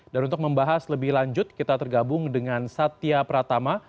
dan untuk membahas lebih lanjut kita tergabung dengan satya pratama